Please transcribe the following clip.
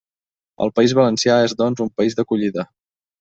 El País Valencià és, doncs, un país d'acollida.